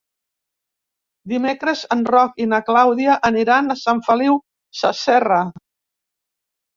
Dimecres en Roc i na Clàudia aniran a Sant Feliu Sasserra.